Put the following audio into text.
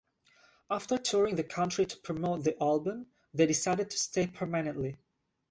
After touring the country to promote their album, they decided to stay permanently.